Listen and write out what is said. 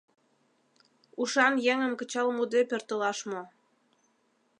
Ушан еҥым кычал муде пӧртылаш мо?